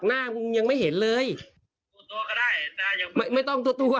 หน้ามึงยังไม่เห็นเลยตัวต้อก็ได้หน้ายังไม่ไม่ต้องตัวตัว